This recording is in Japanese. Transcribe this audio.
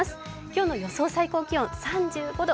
今日の予想最高気温３５度。